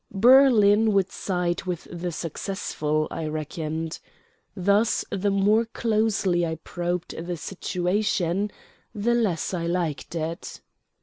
Berlin would side with the successful, I reckoned. Thus the more closely I probed the situation the less I liked it.